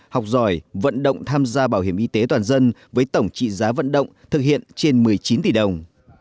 học giỏi vận động tham gia bảo hiểm y tế toàn dân với tổng trị giá vận động thực hiện trên một mươi chín tỷ đồng